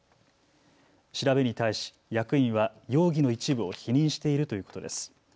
調べに対し役員は容疑の一部を否認しているということです。